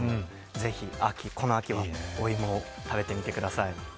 ぜひ、この秋はお芋を食べてください。